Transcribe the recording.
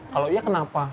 kalau iya kenapa